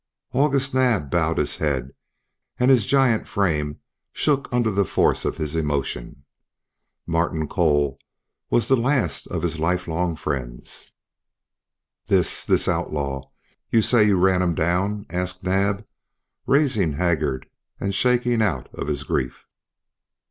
August Naab bowed his head and his giant frame shook under the force of his emotion. Martin Cole was the last of his life long friends. "This this outlaw you say you ran him down?" asked Naab, rising haggard and shaken out of his grief.